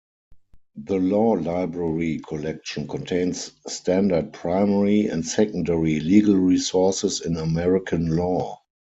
The Law Library collection contains standard primary and secondary legal resources in American law.